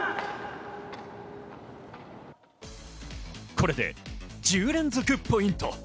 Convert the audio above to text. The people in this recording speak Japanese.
これで１０連続ポイント。